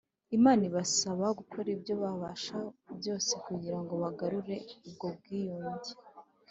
imana ibasaba gukora ibyo babasha byose kugira ngo bagarure ubwo bwiyunge